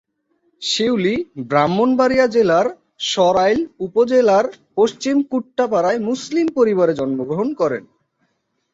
শিউলি ব্রাহ্মণবাড়িয়া জেলার সরাইল উপজেলার পশ্চিম কুট্টাপাড়ায় মুসলিম পরিবারে জন্মগ্রহণ করেন।